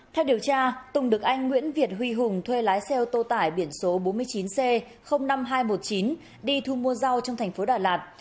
theo điều tra tùng đức anh nguyễn việt huy hùng thuê lái xe ô tô tải biển số bốn mươi chín c năm nghìn hai trăm một mươi chín đi thu mua giao trong tp đà lạt